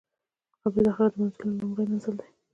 قبر د آخرت د منزلونو لومړی منزل دی.